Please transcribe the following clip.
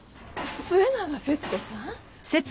末永節子さん？